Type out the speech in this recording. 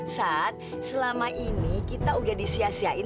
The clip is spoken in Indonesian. saat selama ini kita udah disia siain